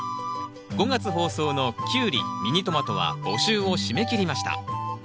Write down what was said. ５月放送のキュウリミニトマトは募集を締め切りました。